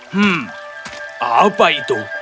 hmm apa itu